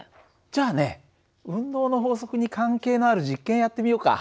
じゃあね運動の法則に関係のある実験やってみようか。